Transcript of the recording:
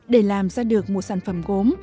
để làm ra được một sản phẩm gốm